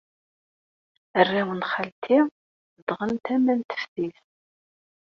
Arraw n xalti zedɣen tama n teftist.